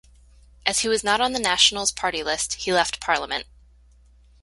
As he was not on National's party list, he left Parliament.